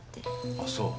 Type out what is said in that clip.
あっそう。